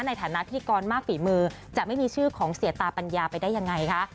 ในฐานะพิธีกรมากฝีมือจะไม่มีชื่อของเสียตาปัญญาไปได้ยังไงคะ